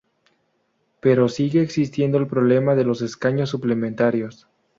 Pero sigue existiendo el problema de los escaños suplementarios.